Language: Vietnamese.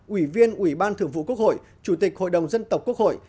ủy viên ủy ban thường vụ quốc hội chủ tịch hội đồng dân tộc quốc hội